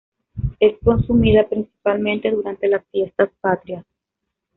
Es consumida principalmente durante las fiestas patrias.